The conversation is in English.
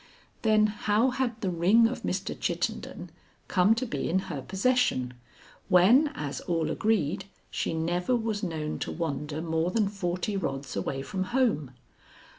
Then, how had the ring of Mr. Chittenden come to be in her possession, when, as all agreed, she never was known to wander more than forty rods away from home?